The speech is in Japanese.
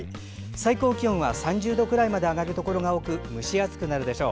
最高気温は３０度くらいまで上がるところが多く蒸し暑くなるでしょう。